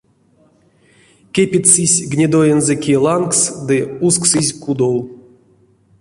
Кепедьсызь гнедоензэ ки лангс ды усксызь кудов.